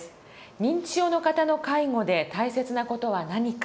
認知症の方の介護で大切な事は何か。